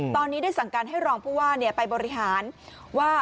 ตอนนี้ได้สั่งการให้รองผู้ว่าไปบริหารว่า